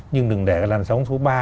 nhưng đừng để cái làn sóng số ba